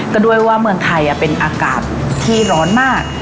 ก็ด้วยว่าเมืองไทยเป็นอากาศที่ร้อนมาก